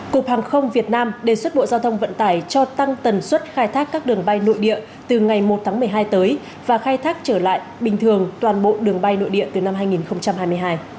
cục hàng không việt nam đề xuất bộ giao thông vận tải cho tăng tần suất khai thác các đường bay nội địa từ ngày một tháng một mươi hai tới và khai thác trở lại bình thường toàn bộ đường bay nội địa từ năm hai nghìn hai mươi hai